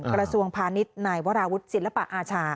กระทรวงพาณิชย์นายวราวุฒิศิลปะอาชา